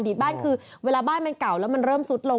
บ้านคือเวลาบ้านมันเก่าแล้วมันเริ่มซุดลง